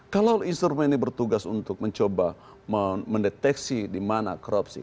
kalau instrumen ini bertugas untuk mencoba mendeteksi di mana korupsi